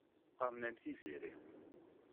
Qqaṛen-am Tiziri.